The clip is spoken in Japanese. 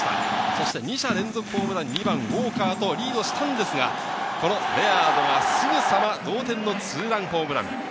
そして２者連続ホームラン、ウォーカーとリードしたんですが、レアードが、すぐさま同点のツーランホームラン。